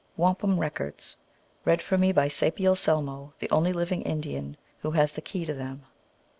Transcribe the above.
Wampum Records. Read for me by Sapiel Selmo, the only liv ing Indian who has the key to them.